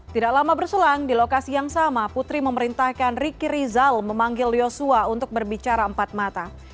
tidak lama berselang di lokasi yang sama putri memerintahkan riki rizal memanggil yosua untuk berbicara empat mata